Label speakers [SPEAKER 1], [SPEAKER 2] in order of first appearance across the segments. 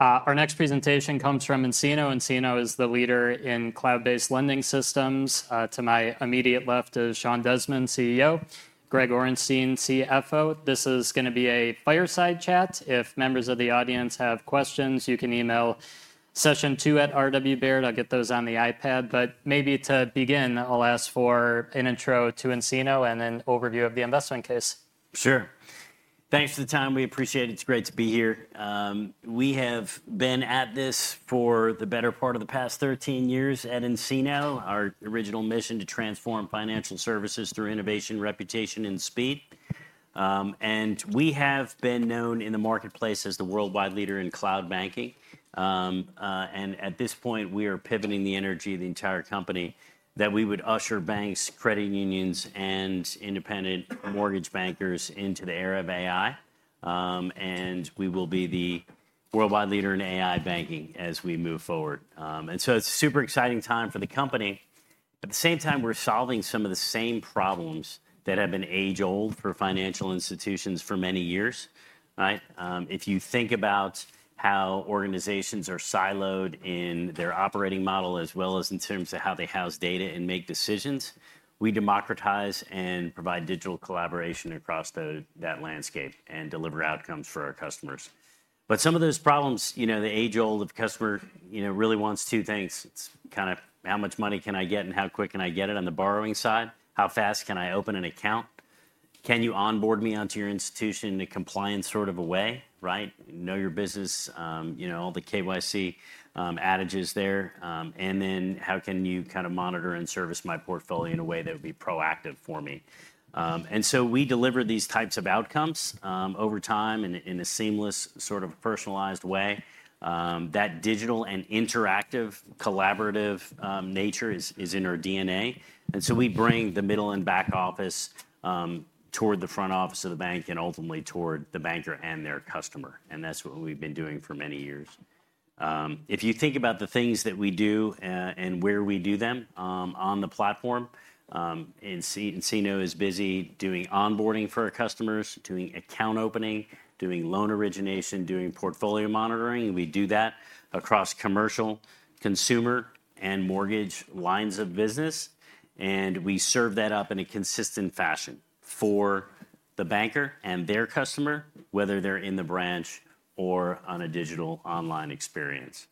[SPEAKER 1] Our next presentation comes from nCino. nCino is the leader in cloud-based lending systems. To my immediate left is Sean Desmond, CEO, and Greg Orenstein, CFO. This is going to be a fireside chat. If members of the audience have questions, you can email session2@rwbeard. I'll get those on the iPad. Maybe to begin, I'll ask for an intro to nCino and an overview of the investment case.
[SPEAKER 2] Sure. Thanks for the time. We appreciate it. It's great to be here. We have been at this for the better part of the past 13 years at nCino, our original mission to transform financial services through innovation, reputation, and speed. We have been known in the marketplace as the worldwide leader in cloud banking. At this point, we are pivoting the energy of the entire company that we would usher banks, credit unions, and independent mortgage bankers into the era of AI. We will be the worldwide leader in AI banking as we move forward. It is a super exciting time for the company. At the same time, we're solving some of the same problems that have been age-old for financial institutions for many years. If you think about how organizations are siloed in their operating model as well as in terms of how they house data and make decisions, we democratize and provide digital collaboration across that landscape and deliver outcomes for our customers. Some of those problems, you know, the age-old of customer really wants two things. It's kind of how much money can I get and how quick can I get it on the borrowing side? How fast can I open an account? Can you onboard me onto your institution in a compliant sort of a way? Know your business, all the KYC adages there. How can you kind of monitor and service my portfolio in a way that would be proactive for me? We deliver these types of outcomes over time in a seamless sort of personalized way. That digital and interactive collaborative nature is in our DNA. We bring the middle and back office toward the front office of the bank and ultimately toward the banker and their customer. That is what we have been doing for many years. If you think about the things that we do and where we do them on the platform, nCino is busy doing onboarding for our customers, doing account opening, doing loan origination, doing portfolio monitoring. We do that across commercial, consumer, and mortgage lines of business. We serve that up in a consistent fashion for the banker and their customer, whether they are in the branch or on a digital online experience.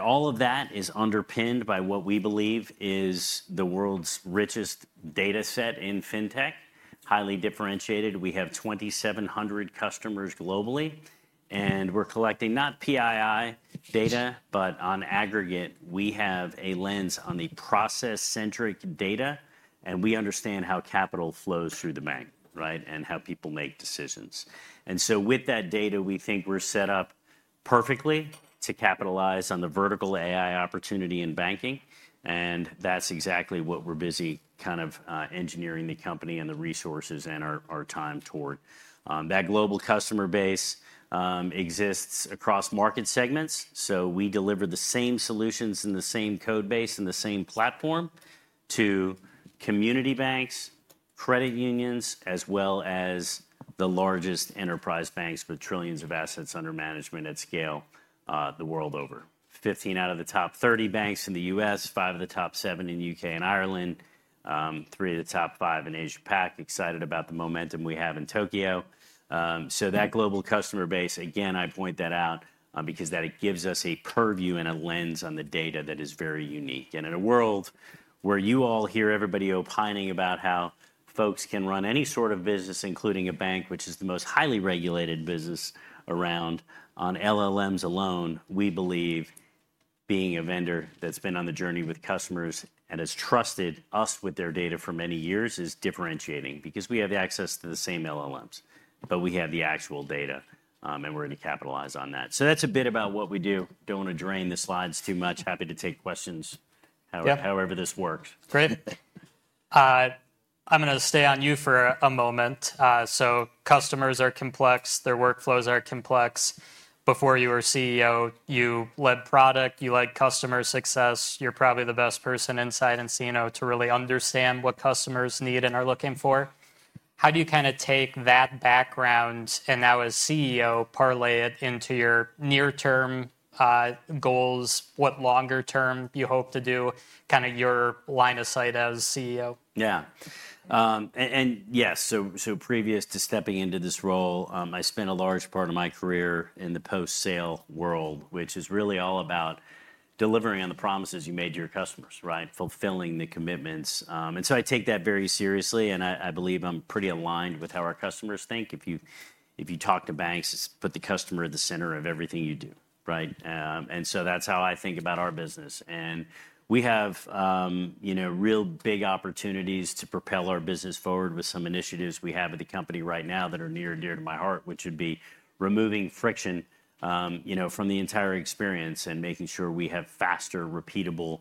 [SPEAKER 2] All of that is underpinned by what we believe is the world's richest data set in fintech-highly differentiated. We have 2,700 customers globally. We're collecting not PII data, but on aggregate, we have a lens on the process-centric data. We understand how capital flows through the bank, and how people make decisions. With that data, we think we're set up perfectly to capitalize on the vertical AI opportunity in banking. That's exactly what we're busy kind of engineering the company and the resources and our time toward. That global customer base exists across market segments. We deliver the same solutions and the same code base and the same platform to community banks, credit unions, as well as the largest enterprise banks with trillions of assets under management at scale the world over. 15 out of the top 30 banks in the US, five of the top seven in the UK and Ireland, three of the top five in Asia-Pacific. Excited about the momentum we have in Tokyo. That global customer base, again, I point that out because that gives us a purview and a lens on the data that is very unique. In a world where you all hear everybody opining about how folks can run any sort of business, including a bank, which is the most highly regulated business around, on LLMs alone, we believe being a vendor that's been on the journey with customers and has trusted us with their data for many years is differentiating because we have access to the same LLMs, but we have the actual data. We're going to capitalize on that. That's a bit about what we do. I don't want to drain the slides too much. Happy to take questions however this works.
[SPEAKER 1] Great. I'm going to stay on you for a moment. Customers are complex. Their workflows are complex. Before you were CEO, you led product. You led customer success. You're probably the best person inside nCino to really understand what customers need and are looking for. How do you kind of take that background and now as CEO parlay it into your near-term goals? What longer-term you hope to do? Kind of your line of sight as CEO.
[SPEAKER 2] Yeah. Yes, so previous to stepping into this role, I spent a large part of my career in the post-sale world, which is really all about delivering on the promises you made to your customers, fulfilling the commitments. I take that very seriously. I believe I'm pretty aligned with how our customers think. If you talk to banks, put the customer at the center of everything you do. That is how I think about our business. We have real big opportunities to propel our business forward with some initiatives we have at the company right now that are near and dear to my heart, which would be removing friction from the entire experience and making sure we have faster, repeatable,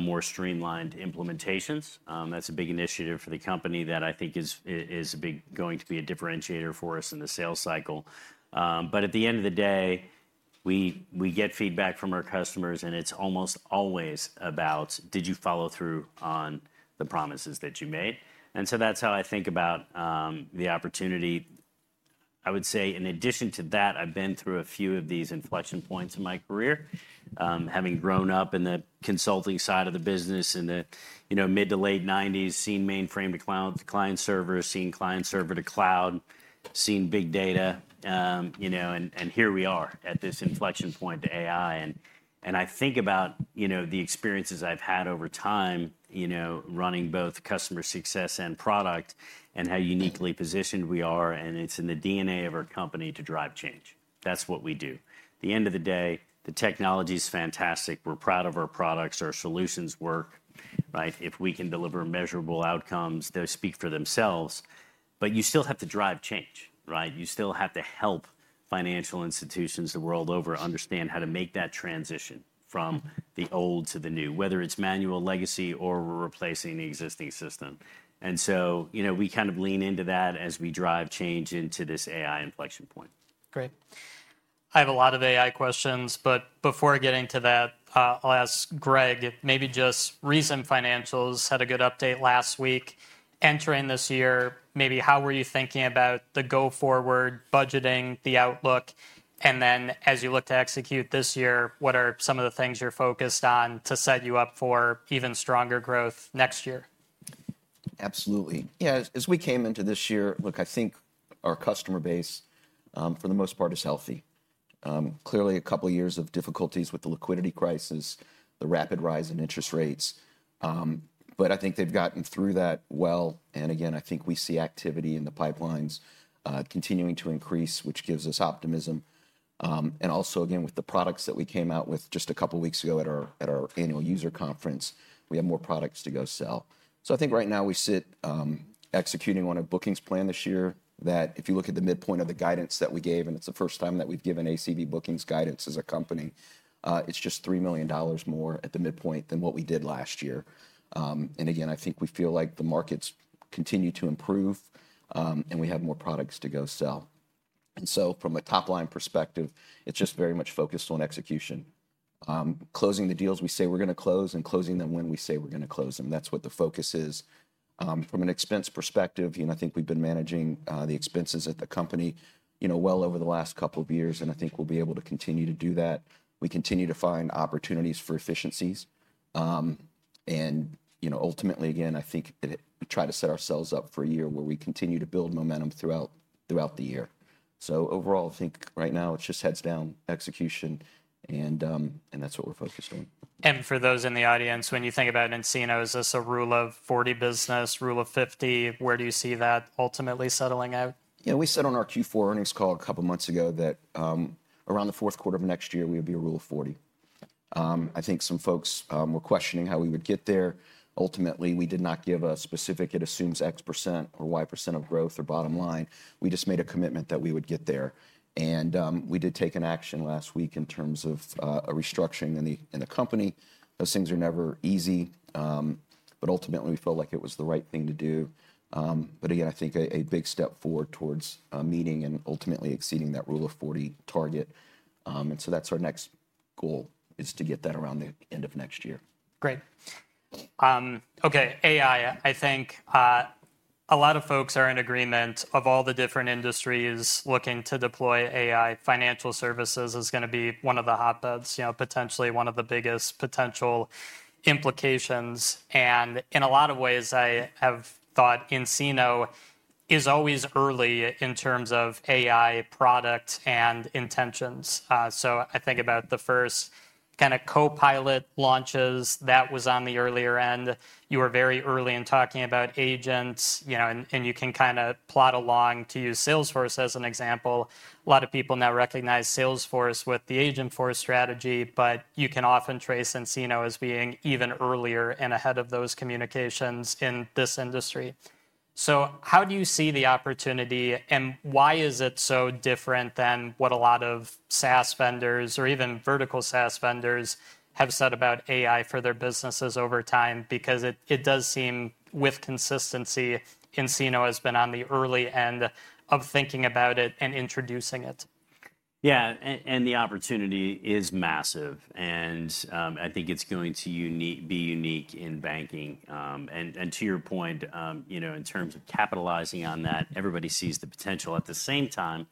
[SPEAKER 2] more streamlined implementations. That's a big initiative for the company that I think is going to be a differentiator for us in the sales cycle. At the end of the day, we get feedback from our customers. It's almost always about, did you follow through on the promises that you made? That's how I think about the opportunity. I would say in addition to that, I've been through a few of these inflection points in my career, having grown up in the consulting side of the business in the mid to late 1990s, seeing mainframe to client server, seeing client server to cloud, seeing big data. Here we are at this inflection point to AI. I think about the experiences I've had over time running both customer success and product and how uniquely positioned we are. It's in the DNA of our company to drive change. That's what we do. At the end of the day, the technology is fantastic. We're proud of our products. Our solutions work. If we can deliver measurable outcomes, those speak for themselves. You still have to drive change. You still have to help financial institutions the world over understand how to make that transition from the old to the new, whether it's manual legacy or we're replacing the existing system. We kind of lean into that as we drive change into this AI inflection point.
[SPEAKER 1] Great. I have a lot of AI questions. Before getting to that, I'll ask Greg, maybe just recent financials. Had a good update last week. Entering this year, maybe how were you thinking about the go forward budgeting, the outlook? As you look to execute this year, what are some of the things you're focused on to set you up for even stronger growth next year?
[SPEAKER 3] Absolutely. Yeah, as we came into this year, look, I think our customer base for the most part is healthy. Clearly, a couple of years of difficulties with the liquidity crisis, the rapid rise in interest rates. I think they've gotten through that well. Again, I think we see activity in the pipelines continuing to increase, which gives us optimism. Also, again, with the products that we came out with just a couple of weeks ago at our annual user conference, we have more products to go sell. I think right now we sit, executing on a bookings plan this year that if you look at the midpoint of the guidance that we gave, and it's the first time that we've given ACV bookings guidance as a company, it's just $3 million more at the midpoint than what we did last year. I think we feel like the markets continue to improve, and we have more products to go sell. From a top-line perspective, it's just very much focused on execution. Closing the deals we say we're going to close and closing them when we say we're going to close them. That's what the focus is. From an expense perspective, I think we've been managing the expenses at the company well over the last couple of years. I think we'll be able to continue to do that. We continue to find opportunities for efficiencies. Ultimately, I think try to set ourselves up for a year where we continue to build momentum throughout the year. Overall, I think right now it's just heads down execution. That's what we're focused on.
[SPEAKER 1] For those in the audience, when you think about nCino, is this a rule of 40 business, rule of 50? Where do you see that ultimately settling out?
[SPEAKER 3] Yeah, we said on our Q4 earnings call a couple of months ago that around the fourth quarter of next year, we would be a rule of 40. I think some folks were questioning how we would get there. Ultimately, we did not give a specific, it assumes X% or Y% of growth or bottom line. We just made a commitment that we would get there. We did take an action last week in terms of a restructuring in the company. Those things are never easy. Ultimately, we felt like it was the right thing to do. I think a big step forward towards meeting and ultimately exceeding that rule of 40 target. That is our next goal, is to get that around the end of next year.
[SPEAKER 1] Great. OK, AI, I think a lot of folks are in agreement of all the different industries looking to deploy AI. Financial services is going to be one of the hotbeds, potentially one of the biggest potential implications. And in a lot of ways, I have thought nCino is always early in terms of AI product and intentions. I think about the first kind of copilot launches. That was on the earlier end. You were very early in talking about agents. You can kind of plot along to use Salesforce as an example. A lot of people now recognize Salesforce with the agent for strategy. You can often trace nCino as being even earlier and ahead of those communications in this industry. How do you see the opportunity? Why is it so different than what a lot of SaaS vendors or even vertical SaaS vendors have said about AI for their businesses over time? Because it does seem with consistency, nCino has been on the early end of thinking about it and introducing it.
[SPEAKER 2] Yeah, the opportunity is massive. I think it's going to be unique in banking. To your point, in terms of capitalizing on that, everybody sees the potential. At the same time,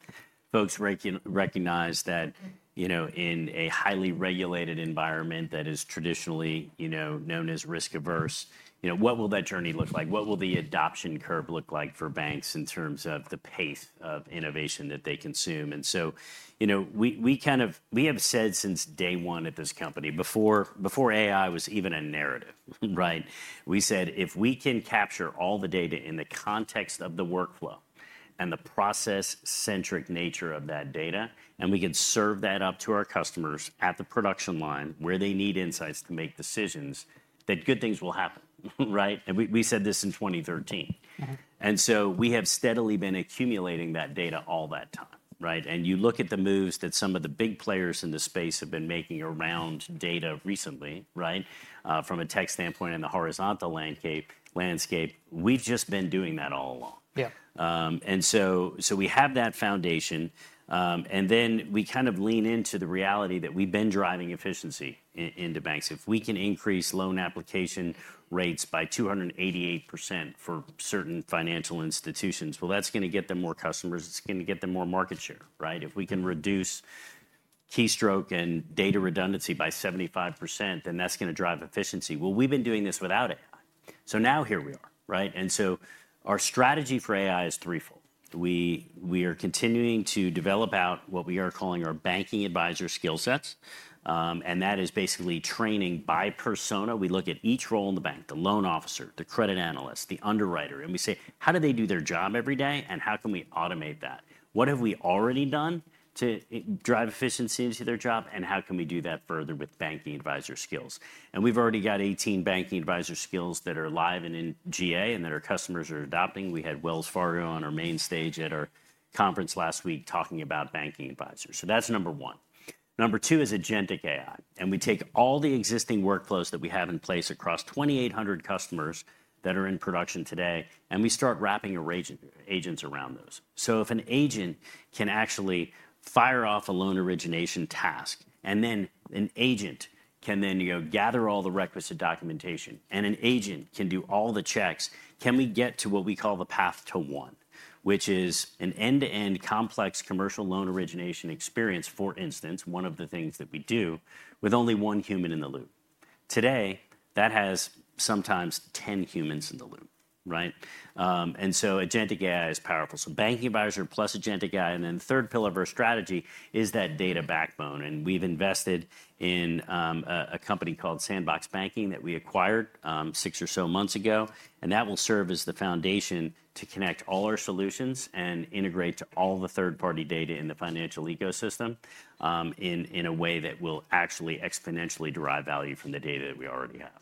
[SPEAKER 2] folks recognize that in a highly regulated environment that is traditionally known as risk averse, what will that journey look like? What will the adoption curve look like for banks in terms of the pace of innovation that they consume? We have said since day one at this company, before AI was even a narrative, we said if we can capture all the data in the context of the workflow and the process-centric nature of that data, and we can serve that up to our customers at the production line where they need insights to make decisions, that good things will happen. We said this in 2013. We have steadily been accumulating that data all that time. You look at the moves that some of the big players in the space have been making around data recently from a tech standpoint and the horizontal landscape, we have just been doing that all along. We have that foundation. We kind of lean into the reality that we have been driving efficiency into banks. If we can increase loan application rates by 288% for certain financial institutions, that is going to get them more customers. It is going to get them more market share. If we can reduce keystroke and data redundancy by 75%, that is going to drive efficiency. We have been doing this without AI. Here we are. Our strategy for AI is threefold. We are continuing to develop out what we are calling our banking advisor skill sets. That is basically training by persona. We look at each role in the bank, the loan officer, the credit analyst, the underwriter. We say, how do they do their job every day? How can we automate that? What have we already done to drive efficiency into their job? How can we do that further with Banking Advisor skills? We have already got 18 Banking Advisor skills that are live and in GA and that our customers are adopting. We had Wells Fargo on our main stage at our conference last week talking about Banking Advisors. That is number one. Number two is Agentic AI. We take all the existing workflows that we have in place across 2,800 customers that are in production today. We start wrapping our agents around those. If an agent can actually fire off a loan origination task, and then an agent can then gather all the requisite documentation, and an agent can do all the checks, can we get to what we call the path to one, which is an end-to-end complex commercial loan origination experience, for instance, one of the things that we do with only one human in the loop. Today, that has sometimes 10 humans in the loop. Agentic AI is powerful. Banking Advisor plus agentic AI. The third pillar of our strategy is that data backbone. We have invested in a company called Sandbox Banking that we acquired six or so months ago. That will serve as the foundation to connect all our solutions and integrate to all the third-party data in the financial ecosystem in a way that will actually exponentially derive value from the data that we already have.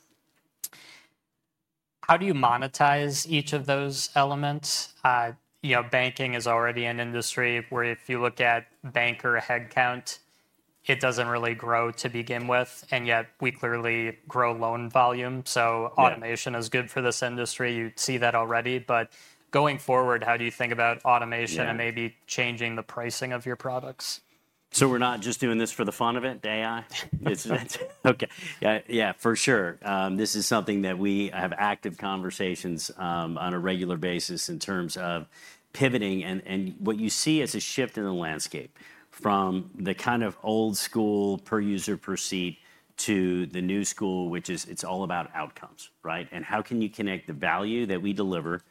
[SPEAKER 1] How do you monetize each of those elements? Banking is already an industry where if you look at banker headcount, it does not really grow to begin with. Yet we clearly grow loan volume. Automation is good for this industry. You see that already. Going forward, how do you think about automation and maybe changing the pricing of your products?
[SPEAKER 2] We're not just doing this for the fun of it, AI? OK, yeah, for sure. This is something that we have active conversations on a regular basis in terms of pivoting. What you see is a shift in the landscape from the kind of old school per user per seat to the new school, which is it's all about outcomes. How can you connect the value that we deliver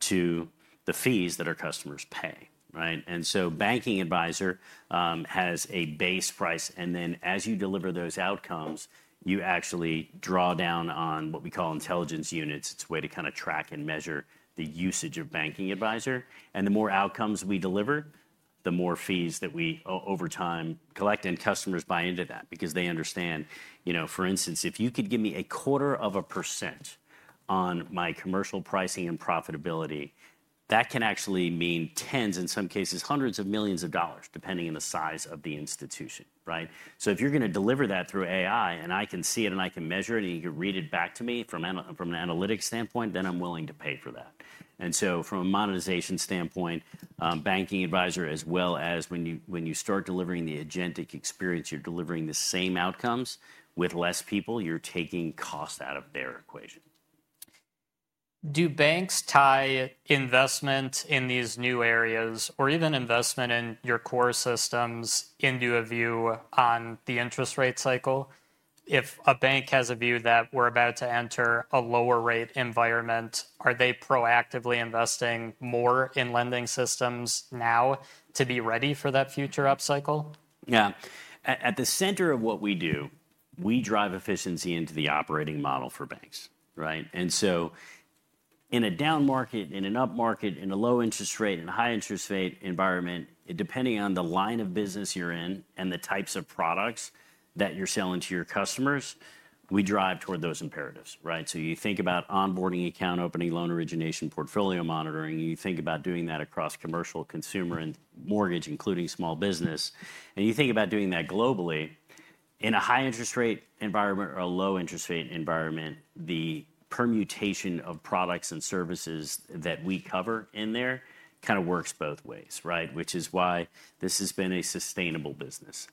[SPEAKER 2] to the fees that our customers pay? Banking Advisor has a base price. Then as you deliver those outcomes, you actually draw down on what we call Intelligence Units. It's a way to kind of track and measure the usage of Banking Advisor. The more outcomes we deliver, the more fees that we over time collect. Customers buy into that because they understand, for instance, if you could give me a quarter of a % on my commercial pricing and profitability, that can actually mean tens, in some cases, hundreds of millions of dollars, depending on the size of the institution. If you are going to deliver that through AI, and I can see it, and I can measure it, and you can read it back to me from an analytics standpoint, then I am willing to pay for that. From a monetization standpoint, Banking Advisor, as well as when you start delivering the agentic experience, you are delivering the same outcomes. With fewer people, you are taking cost out of their equation.
[SPEAKER 1] Do banks tie investment in these new areas or even investment in your core systems into a view on the interest rate cycle? If a bank has a view that we're about to enter a lower rate environment, are they proactively investing more in lending systems now to be ready for that future upcycle?
[SPEAKER 2] Yeah, at the center of what we do, we drive efficiency into the operating model for banks. In a down market, in an up market, in a low interest rate, in a high interest rate environment, depending on the line of business you're in and the types of products that you're selling to your customers, we drive toward those imperatives. You think about onboarding, account opening, loan origination, portfolio monitoring. You think about doing that across commercial, consumer, and mortgage, including small business. You think about doing that globally. In a high interest rate environment or a low interest rate environment, the permutation of products and services that we cover in there kind of works both ways, which is why this has been a sustainable business.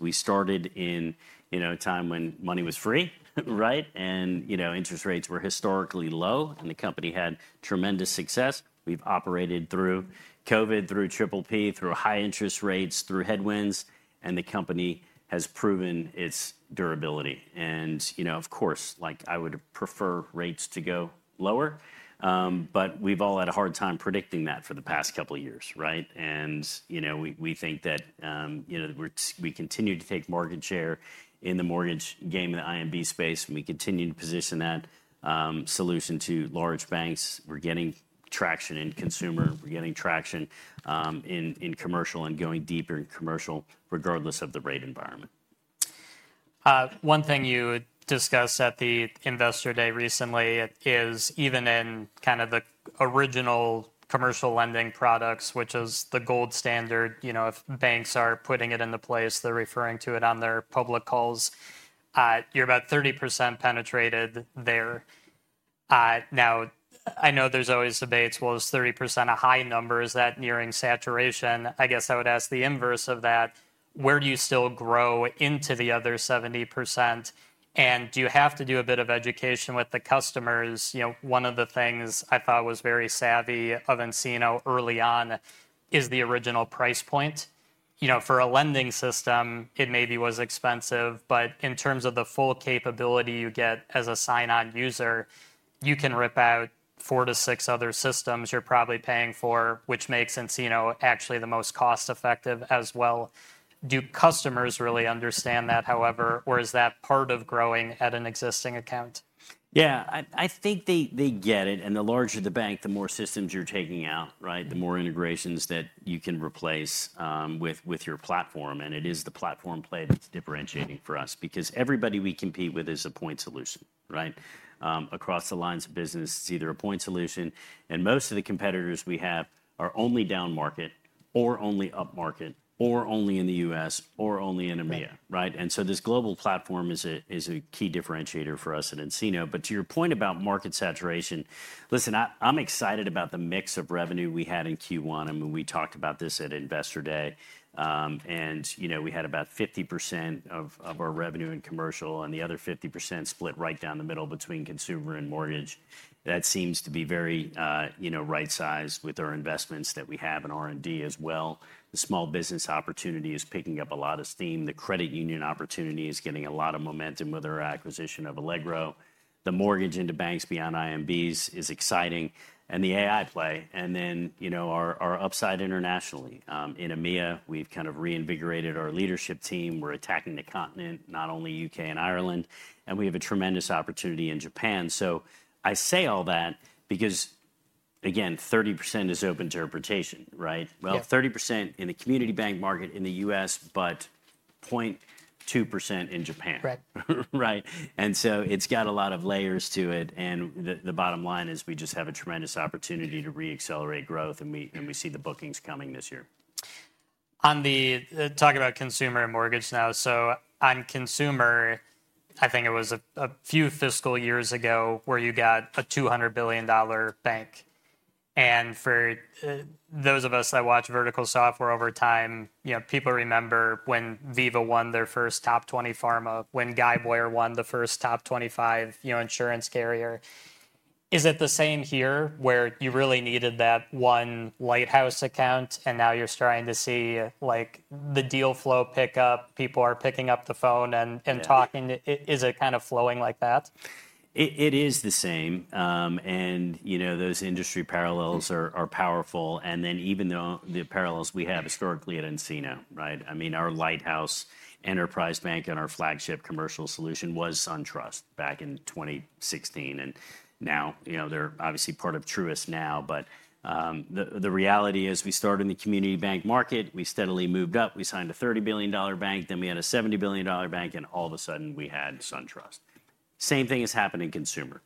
[SPEAKER 2] We started in a time when money was free. Interest rates were historically low. The company had tremendous success. We have operated through COVID, through triple P, through high interest rates, through headwinds. The company has proven its durability. Of course, I would prefer rates to go lower. We have all had a hard time predicting that for the past couple of years. We think that we continue to take mortgage share in the mortgage game in the IMB space. We continue to position that solution to large banks. We are getting traction in consumer. We are getting traction in commercial and going deeper in commercial, regardless of the rate environment.
[SPEAKER 1] One thing you discussed at the Investor Day recently is even in kind of the original commercial lending products, which is the gold standard. If banks are putting it into place, they're referring to it on their public calls. You're about 30% penetrated there. Now, I know there's always debates, well, is 30% a high number? Is that nearing saturation? I guess I would ask the inverse of that. Where do you still grow into the other 70%? And do you have to do a bit of education with the customers? One of the things I thought was very savvy of nCino early on is the original price point. For a lending system, it maybe was expensive. In terms of the full capability you get as a sign-on user, you can rip out four to six other systems you're probably paying for, which makes nCino actually the most cost-effective as well. Do customers really understand that, however, or is that part of growing at an existing account?
[SPEAKER 2] Yeah, I think they get it. The larger the bank, the more systems you're taking out, the more integrations that you can replace with your platform. It is the platform play that's differentiating for us because everybody we compete with is a point solution. Across the lines of business, it's either a point solution. Most of the competitors we have are only down market, or only up market, or only in the U.S., or only in EMEA. This global platform is a key differentiator for us at nCino. To your point about market saturation, listen, I'm excited about the mix of revenue we had in Q1. We talked about this at Investor Day. We had about 50% of our revenue in commercial. The other 50% split right down the middle between consumer and mortgage. That seems to be very right-sized with our investments that we have in R&D as well. The small business opportunity is picking up a lot of steam. The credit union opportunity is getting a lot of momentum with our acquisition of Allegro. The mortgage into banks beyond IMBs is exciting. The AI play. Then our upside internationally. In EMEA, we have kind of reinvigorated our leadership team. We are attacking the continent, not only the U.K. and Ireland. We have a tremendous opportunity in Japan. I say all that because, again, 30% is open interpretation. 30% in the community bank market in the US, but 0.2% in Japan. It has a lot of layers to it. The bottom line is we just have a tremendous opportunity to re-accelerate growth. We see the bookings coming this year.
[SPEAKER 1] Talk about consumer and mortgage now. On consumer, I think it was a few fiscal years ago where you got a $200 billion bank. For those of us that watch vertical software over time, people remember when Viva won their first top 20 pharma, when Guy Boyer won the first top 25 insurance carrier. Is it the same here where you really needed that one lighthouse account? Now you are starting to see the deal flow pick up. People are picking up the phone and talking. Is it kind of flowing like that?
[SPEAKER 2] It is the same. Those industry parallels are powerful. Even though the parallels we have historically at nCino, I mean, our lighthouse enterprise bank and our flagship commercial solution was SunTrust back in 2016. Now they are obviously part of Truist now. The reality is we started in the community bank market. We steadily moved up. We signed a $30 billion bank. Then we had a $70 billion bank. All of a sudden, we had SunTrust. The same thing has happened in consumer.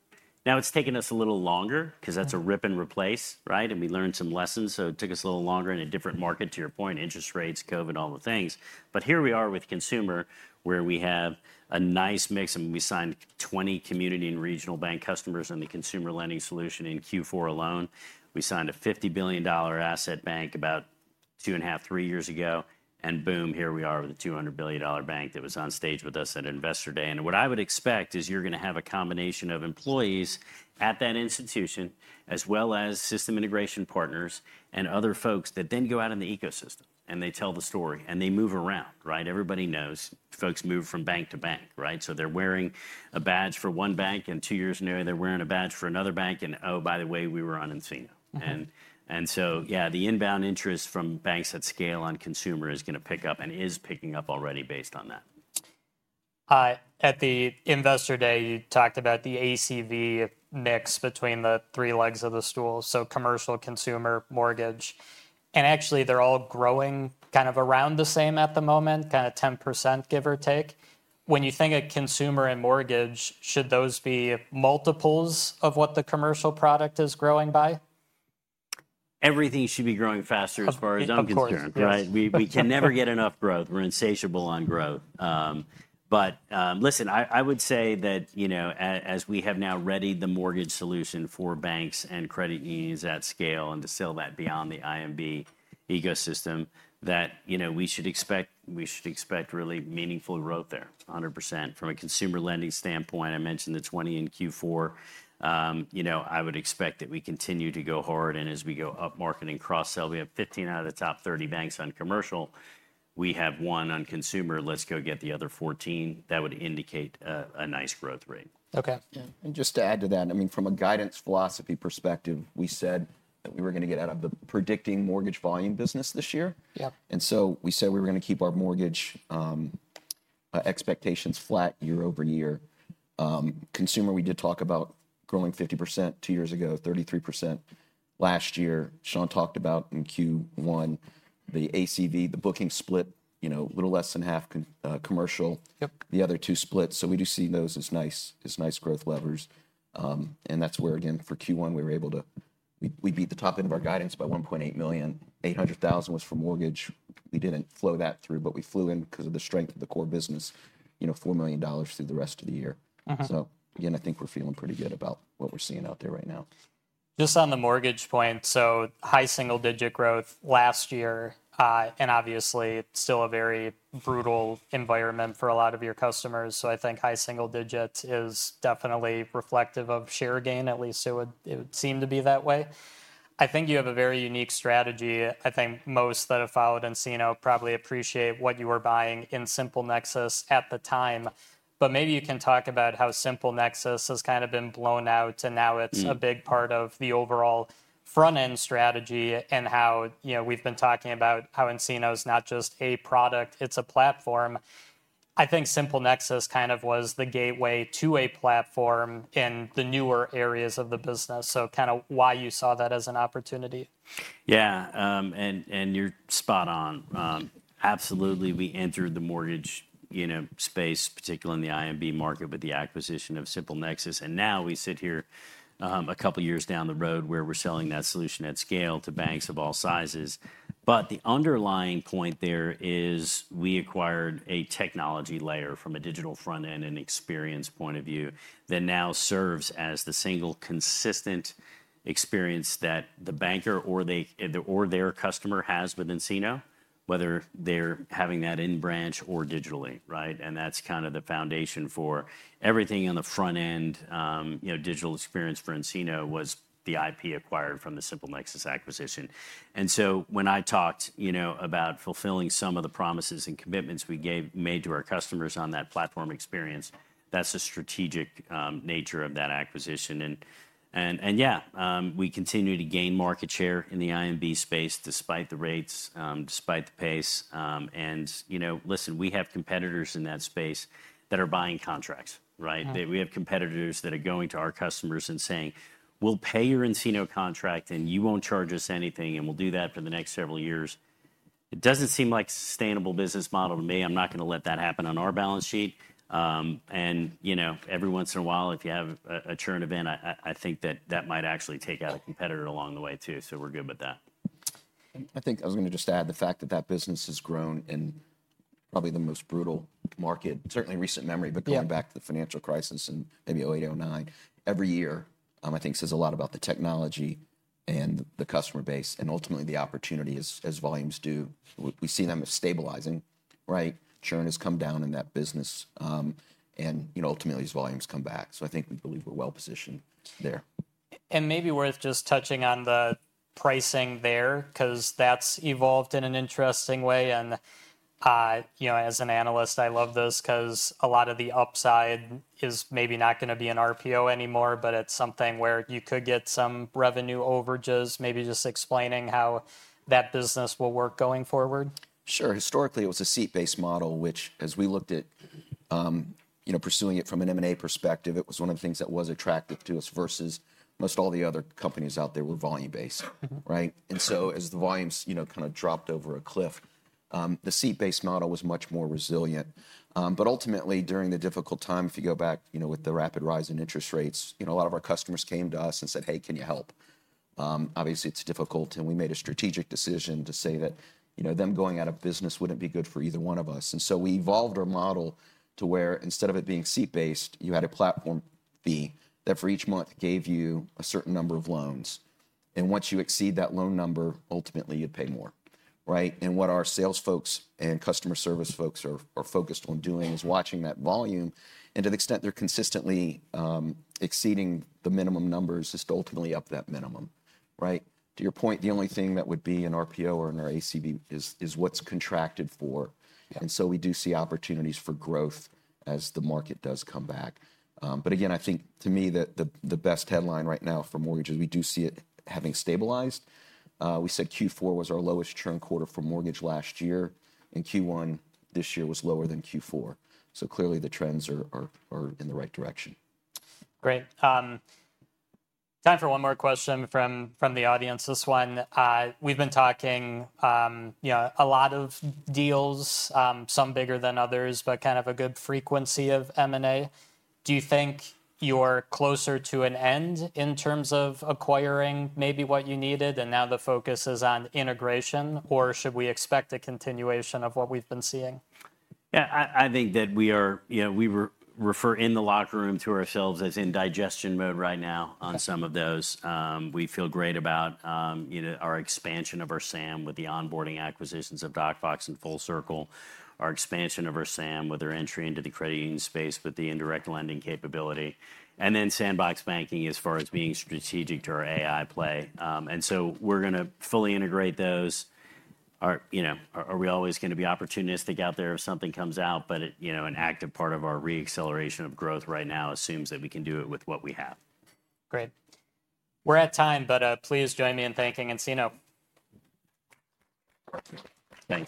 [SPEAKER 2] Now it has taken us a little longer because that is a rip and replace. We learned some lessons. It took us a little longer in a different market, to your point, interest rates, COVID, all the things. Here we are with consumer where we have a nice mix. We signed 20 community and regional bank customers in the consumer lending solution in Q4 alone. We signed a $50 billion asset bank about two and a half, three years ago. Boom, here we are with a $200 billion bank that was on stage with us at Investor Day. What I would expect is you're going to have a combination of employees at that institution, as well as system integration partners and other folks that then go out in the ecosystem. They tell the story. They move around. Everybody knows folks move from bank to bank. They're wearing a badge for one bank, and two years, in a year, they're wearing a badge for another bank. Oh, by the way, we were on nCino. Yeah, the inbound interest from banks at scale on consumer is going to pick up and is picking up already based on that.
[SPEAKER 1] At the Investor Day, you talked about the ACV mix between the three legs of the stool, so commercial, consumer, mortgage. Actually, they're all growing kind of around the same at the moment, kind of 10%, give or take. When you think of consumer and mortgage, should those be multiples of what the commercial product is growing by?
[SPEAKER 2] Everything should be growing faster as far as I'm concerned. We can never get enough growth. We're insatiable on growth. Listen, I would say that as we have now readied the mortgage solution for banks and credit unions at scale and to sell that beyond the IMB ecosystem, we should expect really meaningful growth there, 100% from a consumer lending standpoint. I mentioned the 20 in Q4. I would expect that we continue to go hard. As we go up market and cross-sell, we have 15 out of the top 30 banks on commercial. We have one on consumer. Let's go get the other 14. That would indicate a nice growth rate. OK.
[SPEAKER 3] Just to add to that, I mean, from a guidance philosophy perspective, we said that we were going to get out of the predicting mortgage volume business this year. We said we were going to keep our mortgage expectations flat year over year. Consumer, we did talk about growing 50% two years ago, 33% last year. Sean talked about in Q1 the ACV, the booking split, a little less than half commercial, the other two splits. We do see those as nice growth levers. That is where, again, for Q1, we were able to beat the top end of our guidance by $1.8 million. $800,000 was for mortgage. We did not flow that through. We flew in because of the strength of the core business, $4 million through the rest of the year. I think we're feeling pretty good about what we're seeing out there right now.
[SPEAKER 1] Just on the mortgage point, high single-digit growth last year. Obviously, still a very brutal environment for a lot of your customers. I think high single digits is definitely reflective of share gain, at least it would seem to be that way. I think you have a very unique strategy. I think most that have followed nCino probably appreciate what you were buying in Simple Nexus at the time. Maybe you can talk about how Simple Nexus has kind of been blown out, and now it is a big part of the overall front-end strategy and how we have been talking about how nCino is not just a product. It is a platform. I think Simple Nexus kind of was the gateway to a platform in the newer areas of the business, so kind of why you saw that as an opportunity.
[SPEAKER 2] Yeah, and you're spot on. Absolutely, we entered the mortgage space, particularly in the IMB market, with the acquisition of Simple Nexus. Now we sit here a couple of years down the road where we're selling that solution at scale to banks of all sizes. The underlying point there is we acquired a technology layer from a digital front-end and experience point of view that now serves as the single consistent experience that the banker or their customer has with nCino, whether they're having that in branch or digitally. That's kind of the foundation for everything on the front-end digital experience for nCino, was the IP acquired from the Simple Nexus acquisition. When I talked about fulfilling some of the promises and commitments we made to our customers on that platform experience, that's the strategic nature of that acquisition. Yeah, we continue to gain market share in the IMB space despite the rates, despite the pace. Listen, we have competitors in that space that are buying contracts. We have competitors that are going to our customers and saying, we'll pay your nCino contract, and you won't charge us anything. We'll do that for the next several years. It does not seem like a sustainable business model to me. I'm not going to let that happen on our balance sheet. Every once in a while, if you have a churn event, I think that might actually take out a competitor along the way, too. We are good with that.
[SPEAKER 3] I think I was going to just add the fact that that business has grown in probably the most brutal market, certainly recent memory. But going back to the financial crisis in maybe 2008, 2009, every year, I think says a lot about the technology and the customer base and ultimately the opportunity as volumes do. We see them as stabilizing. Churn has come down in that business. And ultimately, as volumes come back. I think we believe we're well positioned there.
[SPEAKER 1] Maybe worth just touching on the pricing there because that's evolved in an interesting way. As an analyst, I love this because a lot of the upside is maybe not going to be in RPO anymore. It's something where you could get some revenue overages, maybe just explaining how that business will work going forward.
[SPEAKER 3] Sure. Historically, it was a seat-based model, which as we looked at pursuing it from an M&A perspective, it was one of the things that was attractive to us versus most all the other companies out there were volume-based. As the volumes kind of dropped over a cliff, the seat-based model was much more resilient. Ultimately, during the difficult time, if you go back with the rapid rise in interest rates, a lot of our customers came to us and said, hey, can you help? Obviously, it's difficult. We made a strategic decision to say that them going out of business would not be good for either one of us. We evolved our model to where instead of it being seat-based, you had a platform fee that for each month gave you a certain number of loans. Once you exceed that loan number, ultimately, you'd pay more. What our sales folks and customer service folks are focused on doing is watching that volume. To the extent they're consistently exceeding the minimum numbers, just ultimately up that minimum. To your point, the only thing that would be an RPO or an ACV is what's contracted for. We do see opportunities for growth as the market does come back. Again, I think to me the best headline right now for mortgages, we do see it having stabilized. We said Q4 was our lowest churn quarter for mortgage last year. Q1 this year was lower than Q4. Clearly, the trends are in the right direction.
[SPEAKER 1] Great. Time for one more question from the audience. This one, we've been talking a lot of deals, some bigger than others, but kind of a good frequency of M&A. Do you think you're closer to an end in terms of acquiring maybe what you needed and now the focus is on integration? Should we expect a continuation of what we've been seeing?
[SPEAKER 2] Yeah, I think that we refer in the locker room to ourselves as in digestion mode right now on some of those. We feel great about our expansion of our SAM with the onboarding acquisitions of DocFox and FullCircle, our expansion of our SAM with our entry into the credit union space with the indirect lending capability, and then Sandbox Banking as far as being strategic to our AI play. We are going to fully integrate those. Are we always going to be opportunistic out there if something comes out? An active part of our re-acceleration of growth right now assumes that we can do it with what we have.
[SPEAKER 1] Great. We're at time. Please join me in thanking nCino.
[SPEAKER 2] Thanks.